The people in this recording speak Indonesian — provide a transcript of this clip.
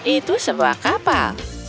itu sebuah kapal